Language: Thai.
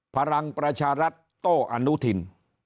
พลังประชารัฐโต้อนุทิน